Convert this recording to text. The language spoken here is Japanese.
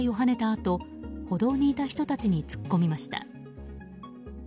あと歩道にいた人たちに突っ込みました。